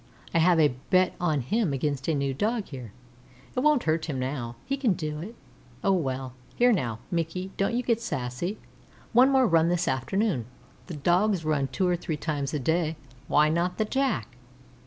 I have a bet on him against a new Dog here. It won't hurt him now; he can do it. Oh, well. Here now, Mickey, don't you get sassy. One run more this afternoon. The Dogs run two or three times a day; why not the Jack?"